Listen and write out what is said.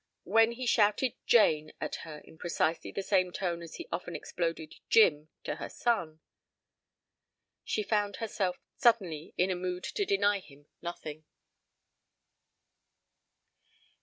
When he shouted "Jane" at her in precisely the same tone as he often exploded "Jim" to her son, she found herself suddenly in a mood to deny him nothing.